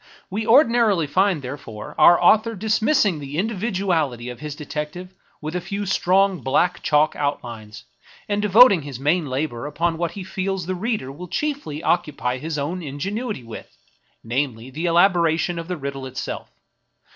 We ordinarily find, therefore, our author dismissing the individuality of his detective with a few strong black chalk outlines, and devoting his main labor upon what he feels the reader will chiefly occupy his own ingenuity with, — namely, the elaboration of the riddle itself.